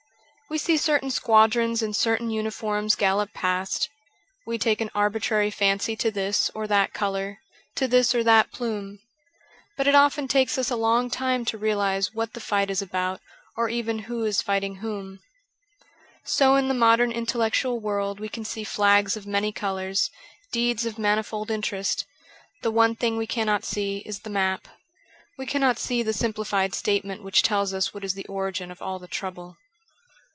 We see certain squadrons in certain uniforms gallop past ; we take an arbitrary fancy to this or that colour, to this or that plume. But it often takes us a long time to realize what the fight is about or even who is fighting whom. So in the modern intellectual world we can see flags of many colours, deeds of manifold interest ; the one thing we cannot see is the map. We cannot see the simplified statement which tells us what is the origin of all the trouble.